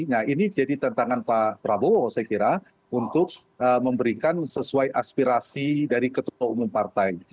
nah ini jadi tantangan pak prabowo saya kira untuk memberikan sesuai aspirasi dari ketua umum partai